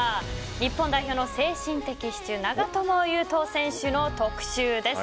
日本代表の精神的支柱長友佑都選手の特集です。